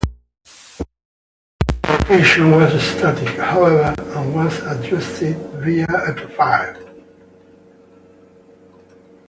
The allocation was static, however, and was adjusted via a profile.